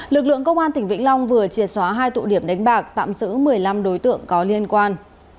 lực lượng công an tỉnh vĩnh long vừa triệt xóa hai tụ điểm đánh bạc tạm giữ một mươi năm đối tượng có liên quan